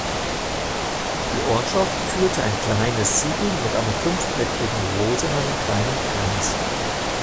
Die Ortschaft führte ein kleines Siegel mit einer fünfblättrigen Rose in einem kleinen Kreis.